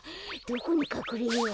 どこにかくれよう。